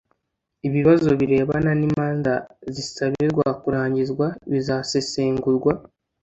ibibazo birebana n’imanza zisabirwa kurangizwa bizasesengurwa;